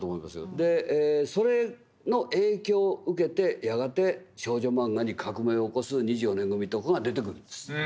でそれの影響を受けてやがて少女漫画に革命を起こす２４年組とかが出てくるんです。